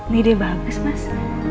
nih ide bagus mas